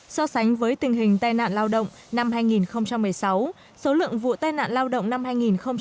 so sánh với tình hình tai nạn lao động năm hai nghìn một mươi sáu số lượng vụ tai nạn lao động năm hai nghìn một mươi tám